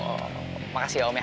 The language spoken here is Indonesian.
om cari tahu bagaimana caranya lah